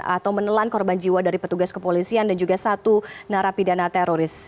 atau menelan korban jiwa dari petugas kepolisian dan juga satu narapidana teroris